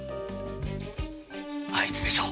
あいつでしょ。